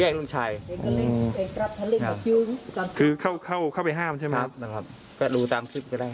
แล้วรูตามธุรกิจก็ได้ครับ